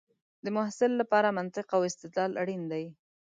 د محصل لپاره منطق او استدلال اړین دی.